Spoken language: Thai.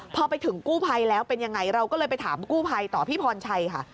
พอไปถึงกู้ภัยแล้วเป็นยังไงเราก็เลยไปถามกู้ภัยต่อพี่พรชัยค่ะ